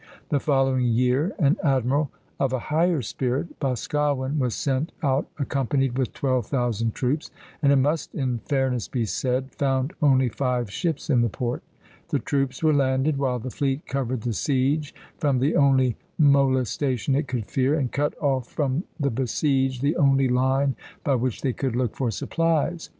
The following year an admiral of a higher spirit, Boscawen, was sent out accompanied with twelve thousand troops, and, it must in fairness be said, found only five ships in the port. The troops were landed, while the fleet covered the siege from the only molestation it could fear, and cut off from the besieged the only line by which they could look for supplies.